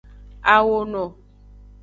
Awono.